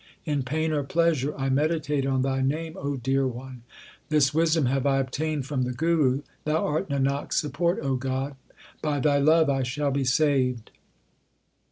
In pain or pleasure I meditate on Thy name, dear One: This wisdom have I obtained from the Guru. Thou art Nanak s support, O God ; by Thy love I shall be saved.